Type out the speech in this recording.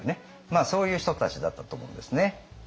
そういう人たちだったと思うんですね。